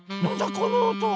このおとは。